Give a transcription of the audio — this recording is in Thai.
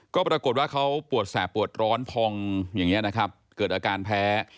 ก็ปรากฏว่าเขาปวดแสบปวดร้อนพองอย่างนี้นะครับเกิดอาการแพ้